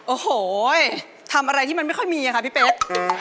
โอ้โหทำอะไรที่มันไม่ค่อยมีค่ะพี่เป๊ก